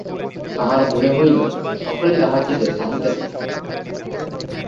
তাহার মনে হইল সকলেই তাহার দিকে চাহিতেছে।